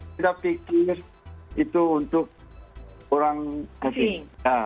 kita pikir itu untuk orang asing